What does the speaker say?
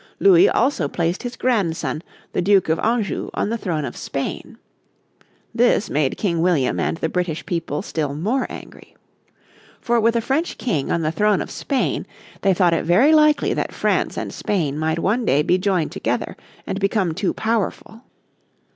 Louis also placed his grandson, the Duke of Anjou, on the throne of Spain. This made King William and the British people still more angry. For with a French King on the throne of Spain they thought it very likely that France and Spain might one day be joined together and become too powerful.